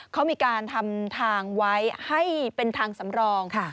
เขามีการทำทางไว้ให้เป็นทางสำรอง